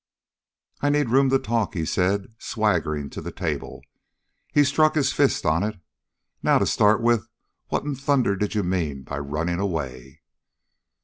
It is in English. "I need room to talk," he said, swaggering to the table. He struck his fist on it. "Now, to start with, what in thunder did you mean by running away?"